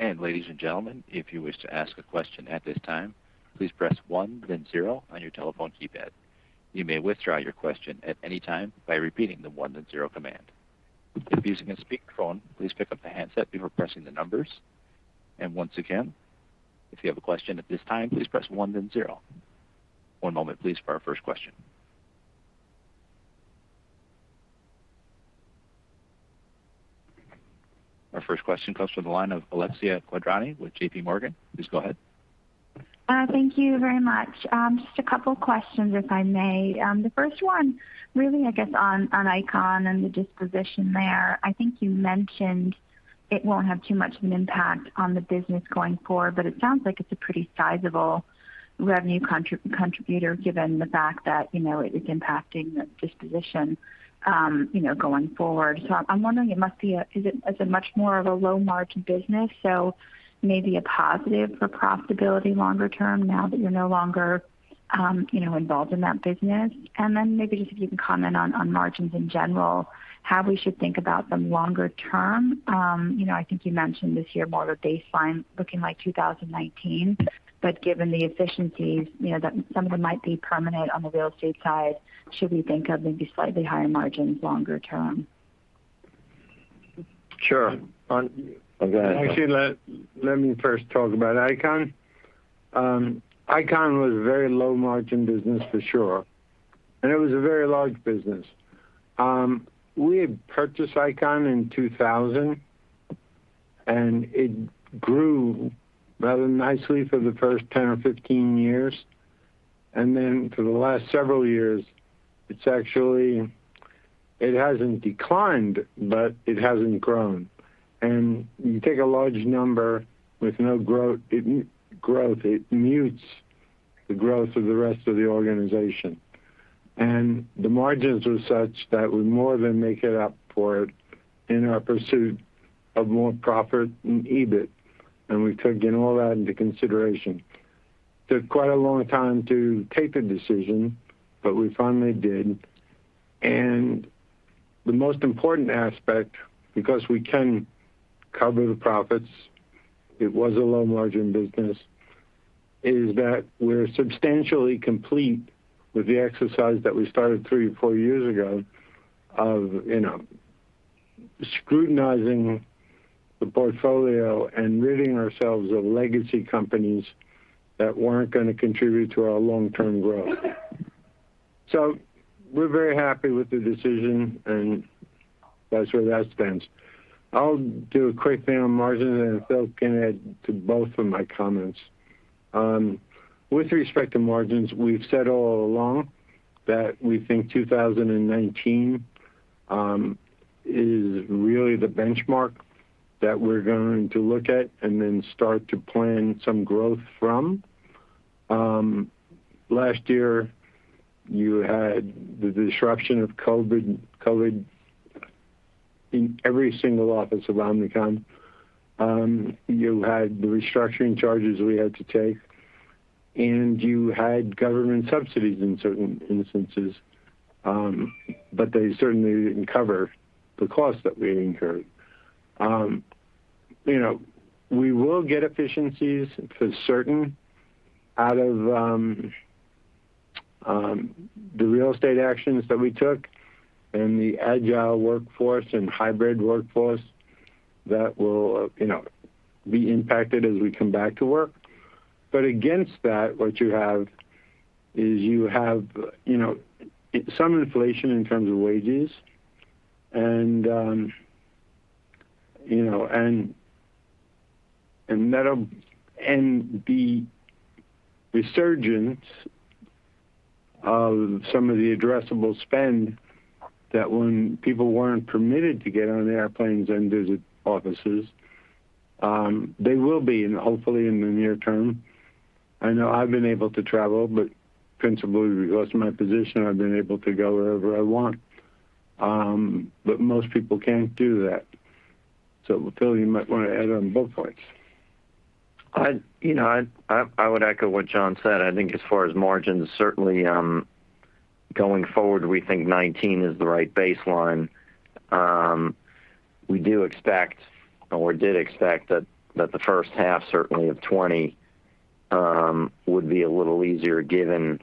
Ladies and gentlemen, if you wish to ask a question at this time, please press one then zero on your telephone keypad. You may withdraw your question at any time by repeating the one then zero command. If using a speakerphone, please pick up the handset before pressing the numbers. Once again, if you have a question at this time, please press one then zero. One moment please for our first question. Our first question comes from the line of Alexia Quadrani with JPMorgan. Please go ahead. Thank you very much. Just a couple questions, if I may. The first one, really, I guess, on ICON and the disposition there. I think you mentioned it won't have too much of an impact on the business going forward, but it sounds like it's a pretty sizable revenue contributor, given the fact that it is impacting the disposition going forward. I'm wondering, is it much more of a low-margin business, so maybe a positive for profitability longer term now that you're no longer involved in that business? Maybe just if you can comment on margins in general, how we should think about them longer term. I think you mentioned this year more the baseline looking like 2019, but given the efficiencies, that some of them might be permanent on the real estate side, should we think of maybe slightly higher margins longer term? Sure. I'll go ahead. Let me first talk about ICON. ICON was a very low-margin business for sure, and it was a very large business. We had purchased ICON in 2000, and it grew rather nicely for the first 10 or 15 years. Then for the last several years, it hasn't declined, but it hasn't grown. You take a large number with no growth, it mutes the growth of the rest of the organization. The margins were such that would more than make it up for it in our pursuit of more profit in EBIT, and we took all that into consideration. Took quite a long time to take the decision, but we finally did. The most important aspect, because we can cover the profits, it was a low-margin business, is that we're substantially complete with the exercise that we started three or four years ago of scrutinizing the portfolio and ridding ourselves of legacy companies that weren't going to contribute to our long-term growth. We're very happy with the decision, and that's where that stands. I'll do a quick thing on margins, and Phil can add to both of my comments. With respect to margins, we've said all along that we think 2019 is really the benchmark that we're going to look at and then start to plan some growth from. Last year, you had the disruption of COVID in every single office of Omnicom. You had the restructuring charges we had to take, and you had government subsidies in certain instances, but they certainly didn't cover the cost that we incurred. We will get efficiencies for certain out of the real estate actions that we took and the agile workforce and hybrid workforce that will be impacted as we come back to work. Against that, what you have is you have some inflation in terms of wages and the resurgence of some of the addressable spend that when people weren't permitted to get on airplanes and visit offices, they will be hopefully in the near term. I know I've been able to travel, but principally because of my position, I've been able to go wherever I want. Most people can't do that. Phil, you might want to add on both points. I would echo what John said. I think as far as margins, certainly going forward, we think 2019 is the right baseline. We do expect or did expect that the first half certainly of 2020 would be a little easier given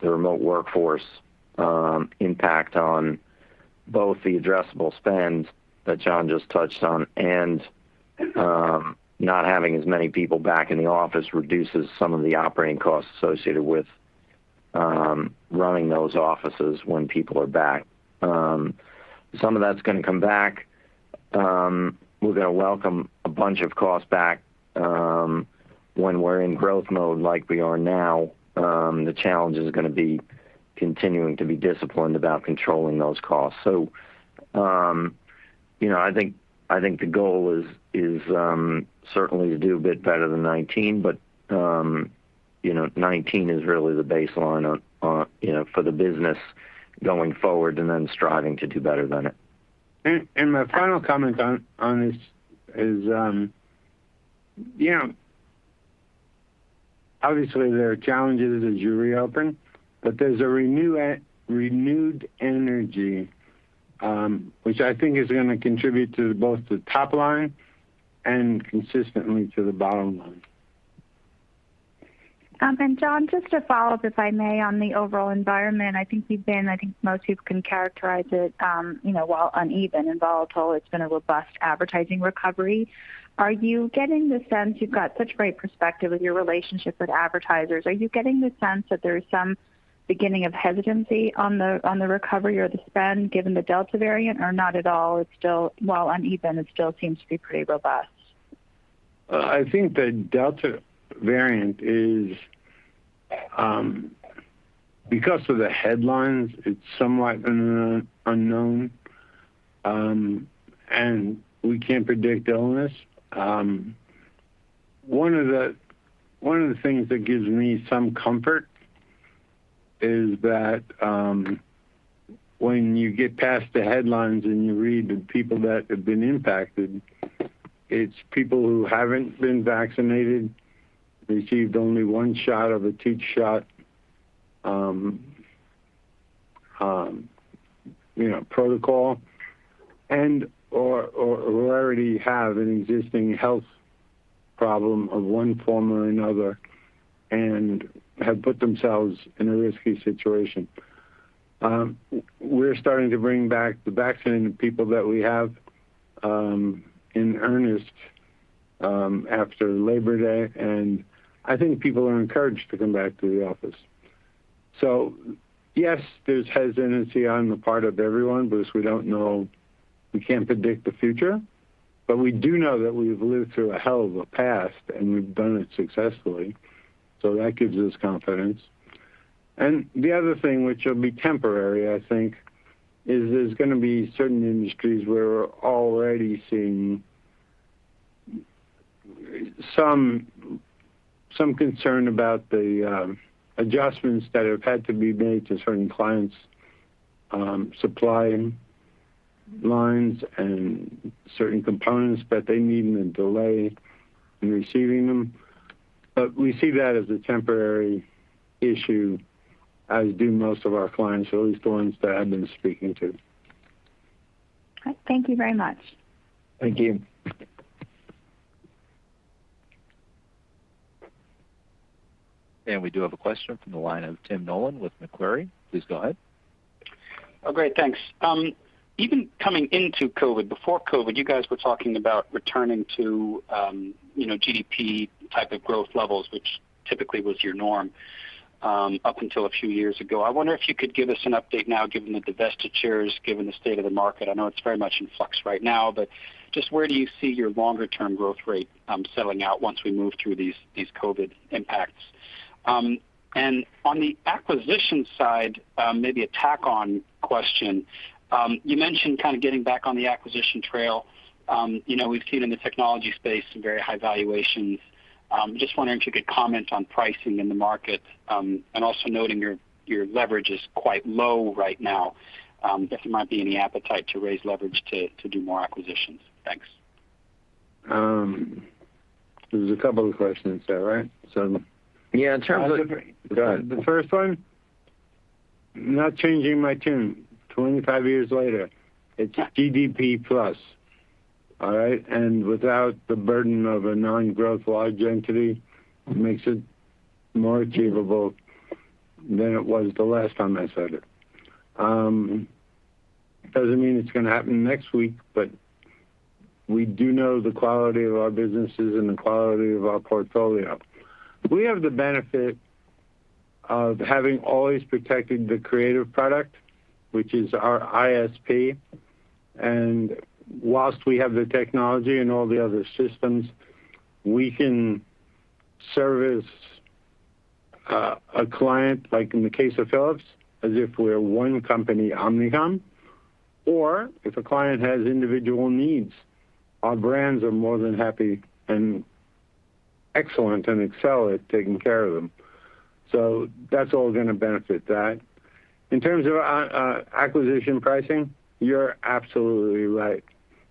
the remote workforce impact on both the addressable spend that John just touched on and not having as many people back in the office reduces some of the operating costs associated with running those offices when people are back. Some of that's going to come back. We're going to welcome a bunch of costs back. When we're in growth mode like we are now, the challenge is going to be continuing to be disciplined about controlling those costs. I think the goal is certainly to do a bit better than 2019, but 2019 is really the baseline for the business going forward and then striving to do better than it. My final comment on this is, obviously there are challenges as you reopen, but there's a renewed energy which I think is going to contribute to both the top line and consistently to the bottom line. John, just to follow up, if I may, on the overall environment, I think most of you can characterize it, while uneven and volatile, it's been a robust advertising recovery. You've got such great perspective with your relationship with advertisers. Are you getting the sense that there is some beginning of hesitancy on the recovery or the spend given the Delta variant, or not at all, while uneven, it still seems to be pretty robust? I think the Delta variant is, because of the headlines, it's somewhat an unknown, and we can't predict illness. One of the things that gives me some comfort is that when you get past the headlines and you read the people that have been impacted, it's people who haven't been vaccinated, received only one shot of a two-shot protocol and/or already have an existing health problem of one form or another and have put themselves in a risky situation. We're starting to bring back the vaccinated people that we have in earnest after Labor Day, and I think people are encouraged to come back to the office. Yes, there's hesitancy on the part of everyone because we can't predict the future. We do know that we've lived through a hell of a past and we've done it successfully, so that gives us confidence. The other thing which will be temporary, I think, is there's going to be certain industries where we're already seeing some concern about the adjustments that have had to be made to certain clients' supply lines and certain components that they need and a delay in receiving them. We see that as a temporary issue, as do most of our clients, or at least the ones that I've been speaking to. All right. Thank you very much. Thank you. We do have a question from the line of Tim Nollen with Macquarie. Please go ahead. Oh, great. Thanks. Even coming into COVID, before COVID, you guys were talking about returning to GDP type of growth levels, which typically was your norm up until a few years ago. I wonder if you could give us an update now, given the divestitures, given the state of the market. I know it's very much in flux right now, just where do you see your longer term growth rate settling out once we move through these COVID impacts? On the acquisition side, maybe a tack-on question. You mentioned kind of getting back on the acquisition trail. We've seen in the technology space some very high valuations. Just wondering if you could comment on pricing in the market, and also noting your leverage is quite low right now, if there might be any appetite to raise leverage to do more acquisitions. Thanks. There's a couple of questions there, right? Yeah, in terms of. Go ahead. The first one, not changing my tune 25 years later. It's GDP plus. All right? Without the burden of a non-growth logic entity, makes it more achievable than it was the last time I said it. Doesn't mean it's going to happen next week, but we do know the quality of our businesses and the quality of our portfolio. We have the benefit of having always protected the creative product, which is our USP. Whilst we have the technology and all the other systems, we can service a client, like in the case of Philips, as if we're one company, Omnicom. If a client has individual needs, our brands are more than happy and excellent and excel at taking care of them. That's all going to benefit that. In terms of acquisition pricing, you're absolutely right.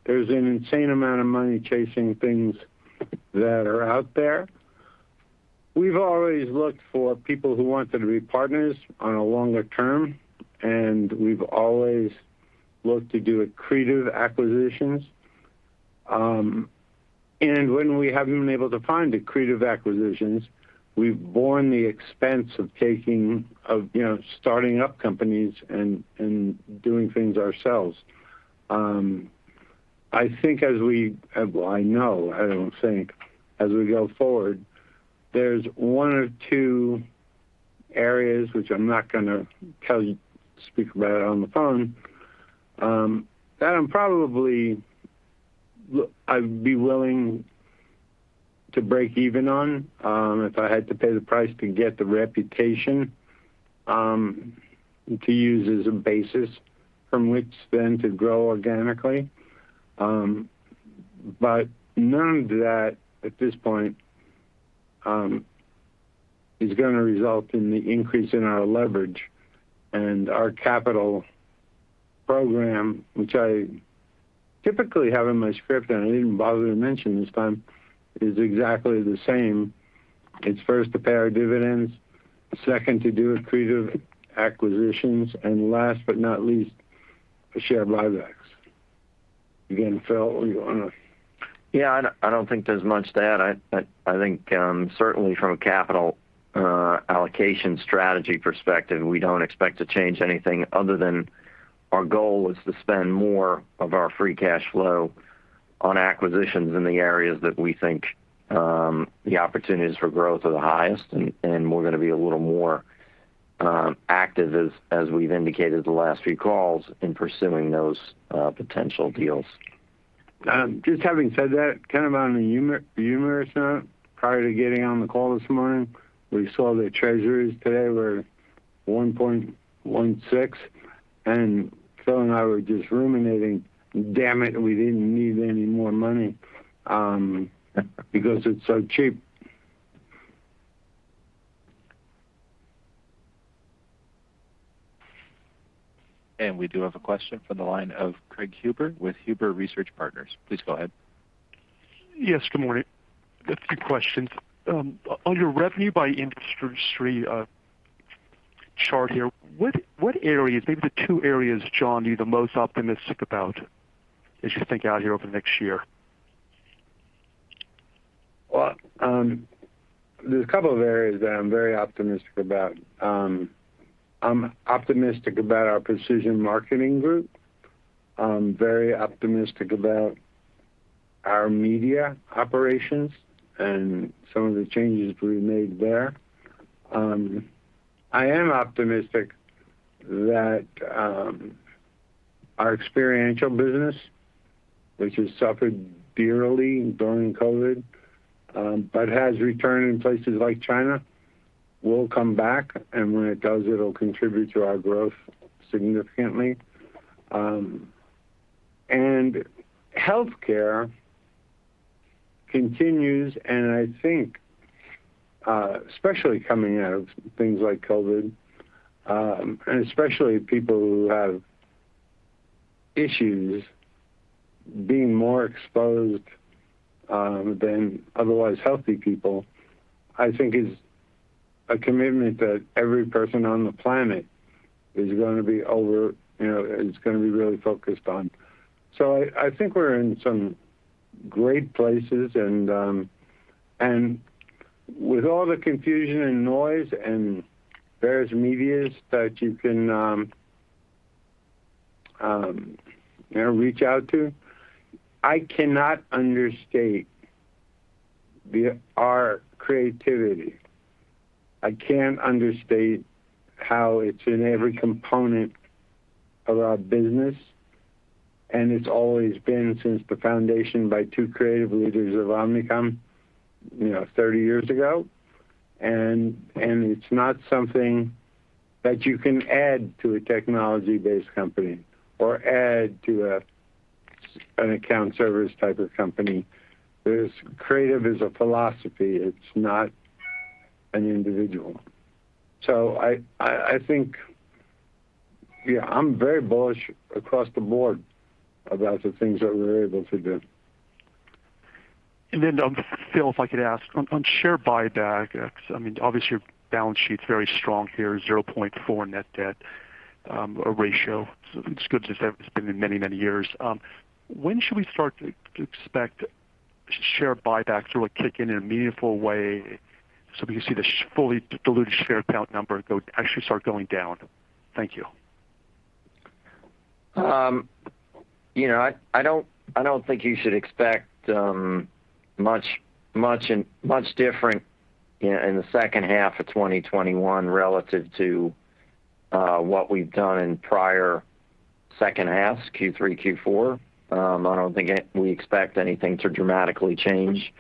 There's an insane amount of money chasing things that are out there. We've always looked for people who wanted to be partners on a longer term, and we've always looked to do accretive acquisitions. When we haven't been able to find accretive acquisitions, we've borne the expense of starting up companies and doing things ourselves. Well, I know, I don't think, as we go forward, there's one or two areas, which I'm not going to speak about on the phone, that I'm probably be willing to break even on, if I had to pay the price to get the reputation, to use as a basis from which then to grow organically. None of that, at this point, is going to result in the increase in our leverage and our capital program, which I typically have in my script, and I didn't bother to mention this time, is exactly the same. It's first to pay our dividends, second to do accretive acquisitions, and last but not least, share buybacks. Again, Phil, you want to. Yeah, I don't think there's much to add. I think certainly from a capital allocation strategy perspective, we don't expect to change anything other than our goal is to spend more of our free cash flow on acquisitions in the areas that we think the opportunities for growth are the highest. We're going to be a little more active, as we've indicated the last few calls, in pursuing those potential deals. Just having said that, kind of on a humorous note, prior to getting on the call this morning, we saw the Treasuries today were 1.16%, and Phil and I were just ruminating, "Damn it, we didn't need any more money," because it's so cheap. We do have a question from the line of Craig Huber with Huber Research Partners. Please go ahead. Yes, good morning. A few questions. On your revenue by industry chart here, what areas, maybe the two areas, John, are you the most optimistic about, as you think out here over the next year? Well, there's a couple of areas that I'm very optimistic about. I'm optimistic about our precision marketing group. I'm very optimistic about our media operations and some of the changes we've made there. I am optimistic that our experiential business, which has suffered dearly during COVID-19, but has returned in places like China, will come back. When it does, it'll contribute to our growth significantly. Healthcare continues, and I think, especially coming out of things like COVID-19, and especially people who have issues being more exposed than otherwise healthy people, I think is a commitment that every person on the planet is going to be really focused on. I think we're in some great places and with all the confusion and noise and various medias that you can reach out to, I cannot understate our creativity. I can't understate how it's in every component of our business. It's always been since the foundation by two creative leaders of Omnicom 30 years ago. It's not something that you can add to a technology-based company or add to an account service type of company. Creative is a philosophy. It's not an individual. I think I'm very bullish across the board about the things that we're able to do. Phil, if I could ask on share buyback, because obviously your balance sheet's very strong here, 0.4 net debt ratio. It's as good as it's been in many, many years. When should we start to expect share buybacks to kick in in a meaningful way so we can see the fully diluted share count number actually start going down? Thank you. I don't think you should expect much different in the second half of 2021 relative to what we've done in prior second halves, Q3, Q4. I don't think we expect anything to dramatically change.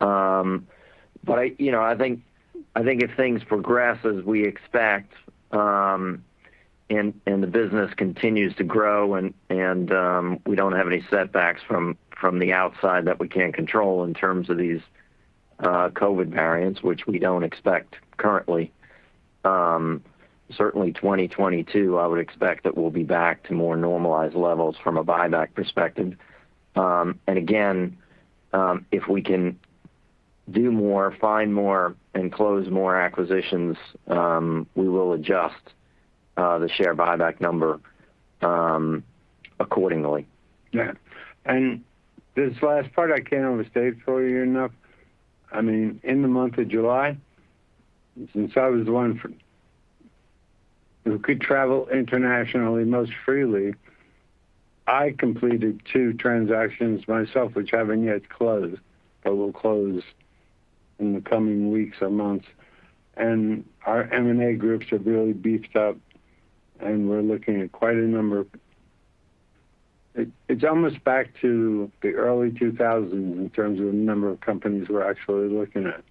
I think if things progress as we expect, and the business continues to grow, and we don't have any setbacks from the outside that we can't control in terms of these COVID variants, which we don't expect currently. Certainly 2022, I would expect that we'll be back to more normalized levels from a buyback perspective. Again, if we can do more, find more, and close more acquisitions, we will adjust the share buyback number accordingly. Yeah. This last part, I can't overstate for you enough. In the month of July, since I was the one who could travel internationally most freely, I completed two transactions myself, which haven't yet closed, but will close in the coming weeks or months. Our M&A groups have really beefed up, and we're looking at quite a number. It's almost back to the early 2000s in terms of the number of companies we're actually looking at.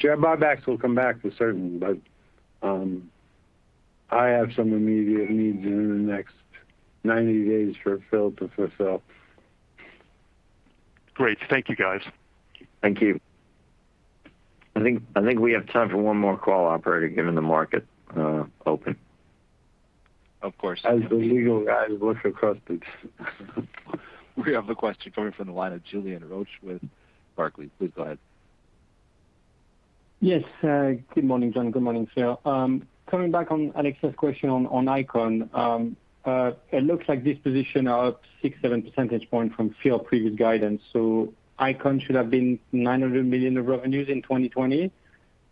Share buybacks will come back for certain, but I have some immediate needs in the next 90 days for Phil to fulfill. Great. Thank you, guys. Thank you. I think we have time for one more call, operator, given the market open. Of course. As the legal guy who looks across things. We have a question coming from the line of Julien Roch with Barclays. Please go ahead. Yes. Good morning, John. Good morning, Phil. Coming back on Alexia's question on ICON. It looks like this position are up 6-7 percentage points from Phil's previous guidance. ICON should have been $900 million in revenues in 2020,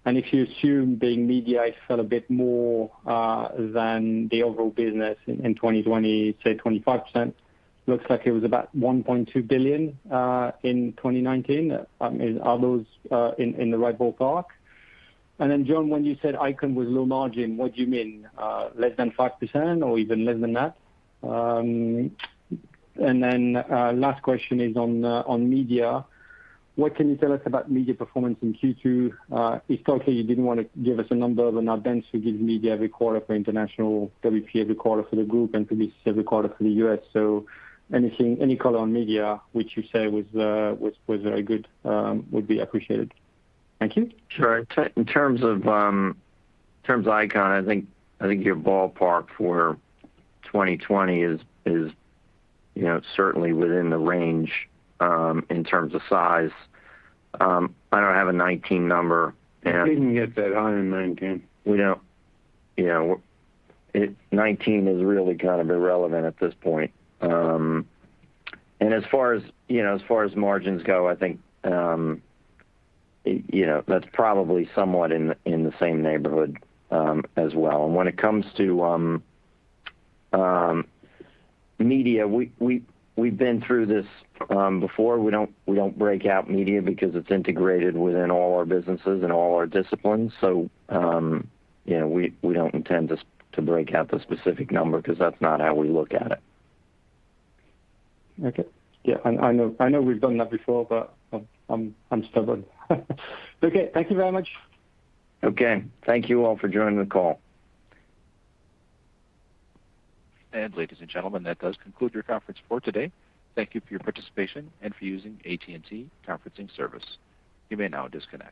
and if you assume Bing Media fell a bit more than the overall business in 2020, say 25%, looks like it was about $1.2 billion in 2019. Are those in the right ballpark? John, when you said ICON was low margin, what do you mean? Less than 5% or even less than that? Last question is on media. What can you tell us about media performance in Q2? If totally you didn't want to give us a number, but now Dentsu give media every quarter for international, WPP every quarter for the group, and IPG every quarter for the U.S. Any color on media, which you say was very good, would be appreciated. Thank you. Sure. In terms of ICON, I think your ballpark for 2020 is certainly within the range, in terms of size. I don't have a 2019 number. It didn't get that high in 2019. We don't. 2019 is really kind of irrelevant at this point. As far as margins go, I think that's probably somewhat in the same neighborhood as well. When it comes to media, we've been through this before. We don't break out media because it's integrated within all our businesses and all our disciplines. We don't intend to break out the specific number because that's not how we look at it. Okay. Yeah. I know we've done that before, but I'm stubborn. Okay. Thank you very much. Okay. Thank you all for joining the call. And ladies and gentlemen, that does conclude your conference for today. Thank you for your participation and for using AT&T conferencing service. You may now disconnect.